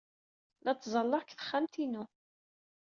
La ttẓallaɣ deg texxamt-inu.